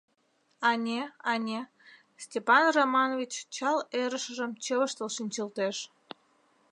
— Ане, ане, — Степан Романович чал ӧрышыжым чывыштыл шинчылтеш.